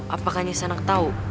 apakah nyisak anak tahu